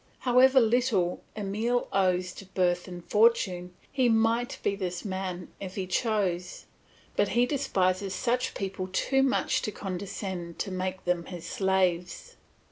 However little Emile owes to birth and fortune, he might be this man if he chose; but he despises such people too much to condescend to make them his slaves.